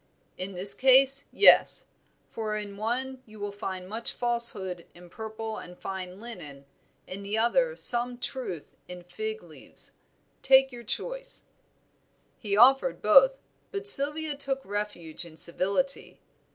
"In this case, yes; for in one you will find much falsehood in purple and fine linen, in the other some truth in fig leaves. Take your choice." He offered both; but Sylvia took refuge in civility.